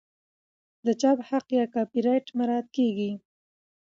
د چاپ حق یا کاپي رایټ مراعات کیږي.